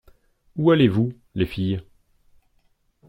Où allez-vous, les filles?